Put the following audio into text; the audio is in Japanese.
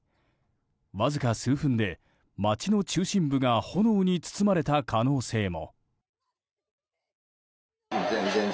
わずか数分で街の中心部が炎に包まれた可能性も。